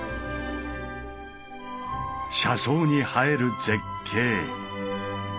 車窓に映える絶景。